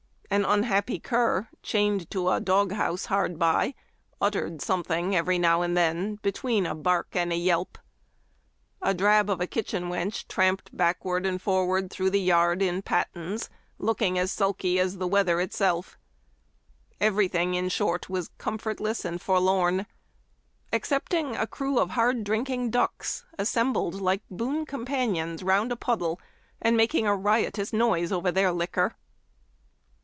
An unhappy cur, chained to a dog house hard by, uttered something every now and then between a bark and a yelp. A drab of a kitchen wench tramped backward and forward through the yard in pattens, looking as sulky as the weather itself. Every thing, in short, was comfortless and forlorn, excepting a crew of hard drinking ducks, assembled like boon companions round a puddle, and making a riotous noise over their liquor."